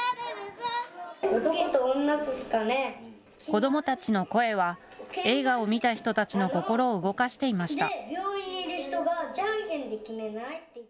子どもたちの声は映画を見た人たちの心を動かしていました。